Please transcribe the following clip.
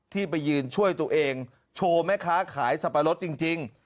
ที่ไปยืนช่วยตัวเองโชว์แม่ค้าขายสับปะรดจริง